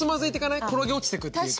転げ落ちてくっていうか。